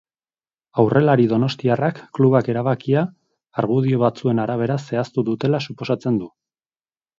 Aurrelari donostiarrak klubak erabakia argudio batzuen arabera zehaztu dutela suposatzen du.